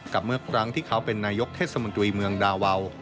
กับเมื่อกลางที่เขาเป็นนายกเทศสมุนตรีเมืองดาวัล